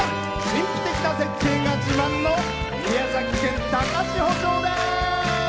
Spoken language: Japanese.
神秘的な絶景が自慢の宮崎県高千穂町です！